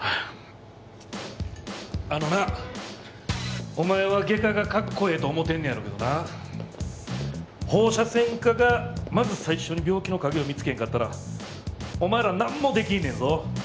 あのなお前は外科がかっこええと思ってんねやろうけどな放射線科がまず最初に病気の影を見つけへんかったらお前らなんもできへんのやぞ。